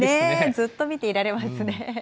ずっと見ていられますね。